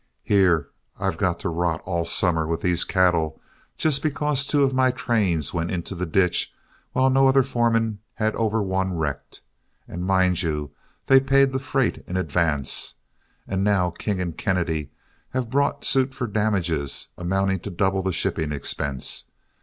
Here I've got to rot all summer with these cattle, just because two of my trains went into the ditch while no other foreman had over one wrecked. And mind you, they paid the freight in advance, and now King and Kennedy have brought suit for damages amounting to double the shipping expense.